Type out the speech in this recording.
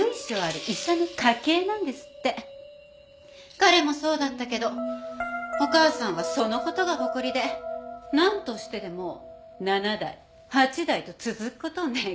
彼もそうだったけどお義母さんはその事が誇りでなんとしてでも７代８代と続く事を願ってたわけよ。